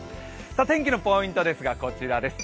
天気のポイントですがこちらです。